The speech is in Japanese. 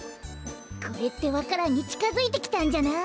これってわか蘭にちかづいてきたんじゃない！？